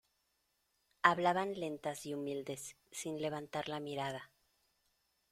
hablaban lentas y humildes, sin levantar la mirada: